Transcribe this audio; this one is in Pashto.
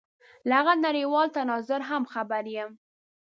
له هغه نړېوال تناظر هم خبر یم.